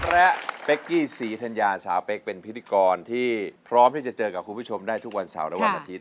และเป๊กกี้ศรีธัญญาสาวเป๊กเป็นพิธีกรที่พร้อมที่จะเจอกับคุณผู้ชมได้ทุกวันเสาร์และวันอาทิตย